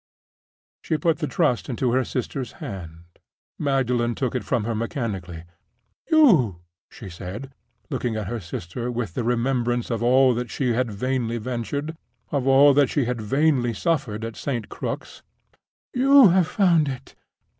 She put the Trust into her sister's hand. Magdalen took it from her mechanically. "You!" she said, looking at her sister with the remembrance of all that she had vainly ventured, of all that she had vainly suffered, at St. Crux—"you have found it!"